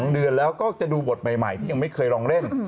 ๒เดือนแล้วก็จะดูบทใหม่ที่ยังไม่เคยลองเล่น